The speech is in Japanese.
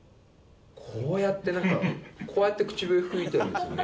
こうやってなんかこうやって口笛吹いてるんですよね。